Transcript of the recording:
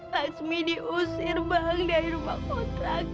laksmi diusir bang dari rumah kontrak